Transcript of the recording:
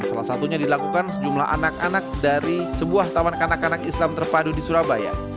salah satunya dilakukan sejumlah anak anak dari sebuah taman kanak kanak islam terpadu di surabaya